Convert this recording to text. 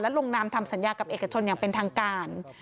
และลงนามทำสัญญาคประกอบอย่างเป็นทางการ